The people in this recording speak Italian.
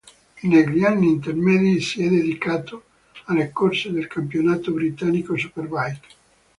Negli anni intermedi si è dedicato alle corse nel campionato britannico Superbike.